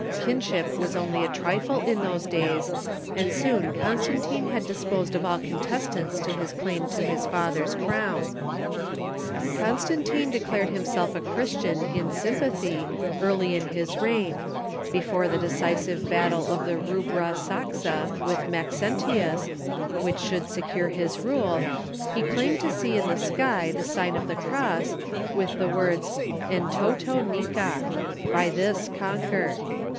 Kinship was onlj^ a trifle in those days, and soon Constantine had disposed of all contestants to his claim to his father's crown. Constantine declared himself a Christian, in sympathy, early in his reign. Before the decisive battle of the Rubra Saxa "^ with Maxentius, which should secure his rule, he Constantine's claimed to see in the sky the sign of the cross, Conversion ^^|^^^^^^^^^^^.^^,,^^^^^^^^^ ,,^X'rt. "—" By this Con quer."